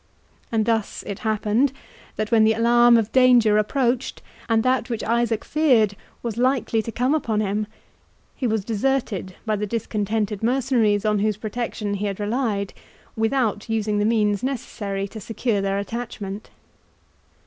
And thus it happened, that when the alarm of danger approached, and that which Isaac feared was likely to come upon him, he was deserted by the discontented mercenaries on whose protection he had relied, without using the means necessary to secure their attachment.